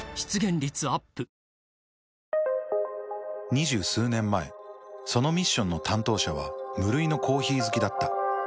２０数年前そのミッションの担当者は無類のコーヒー好きだった。